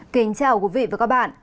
kính chào quý vị và các bạn